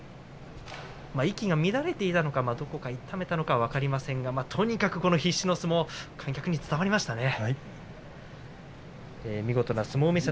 息が乱れていたのか痛めたのかは分かりませんがとにかく必死の相撲観客に伝わりましたね。